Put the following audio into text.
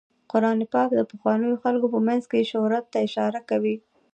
قرآن پاک د پخوانیو خلکو په مینځ کې شهرت ته اشاره کوي.